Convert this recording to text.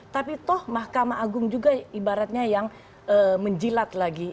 tapi toh mahkamah agung juga ibaratnya yang menjilat lagi